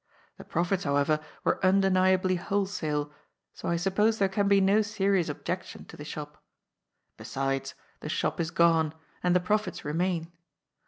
The profits, however, were un deniably wholesale, so I suppose there can be no serious objection to the shop. Besides, the shop is gone, and the profits remain.